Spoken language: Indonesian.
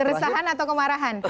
keresahan atau kemarahan